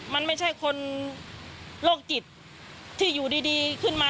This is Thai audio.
มันไม่ใช่คนโรคจิตที่อยู่ดีขึ้นมา